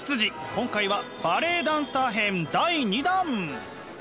今回はバレエダンサー編第２弾！